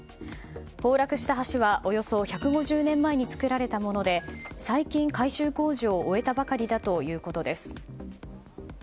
崩落した橋はおよそ１５０年前に作られたもので最近改修工事を終えたばかりだということです。